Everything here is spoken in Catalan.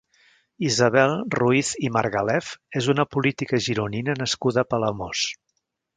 Isabel Ruiz i Margalef és una política gironina nascuda a Palamós.